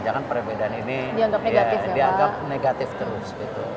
jangan perbedaan ini dianggap negatif terus